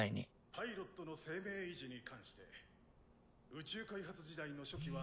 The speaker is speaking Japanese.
パイロットの生命維持に関して宇宙開発時代の初期は。